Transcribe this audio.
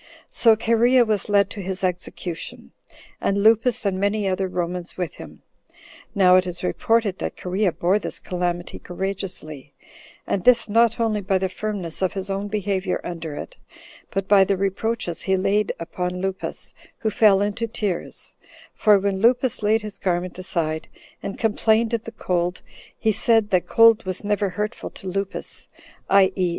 So Cherea was led to his execution, and Lupus and many other Romans with him. Now it is reported that Cherea bore this calamity courageously; and this not only by the firmness of his own behavior under it, but by the reproaches he laid upon Lupus, who fell into tears; for when Lupus laid his garment aside, and complained of the cold 14 he said, that cold was never hurtful to Lupus [i.e.